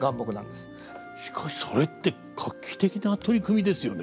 しかしそれって画期的な取り組みですよね。